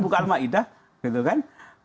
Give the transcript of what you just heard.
buka almaidah gitu kan